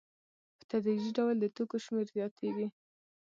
په تدریجي ډول د توکو شمېر زیاتېږي